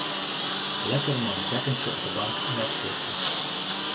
Lekker mei in tekkentsje op 'e bank netflixe.